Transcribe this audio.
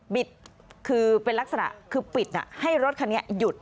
คือเป็นลักษณะคือปิดให้รถคันนี้หยุด